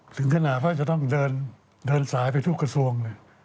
ถึงขนาดว่าจะต้องเดินสายไปทุกกระทรวงเลย